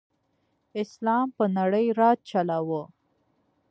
اسلام په نړۍ راج چلاؤ.